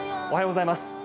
おはようございます。